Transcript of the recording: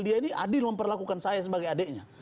dia ini adil memperlakukan saya sebagai adiknya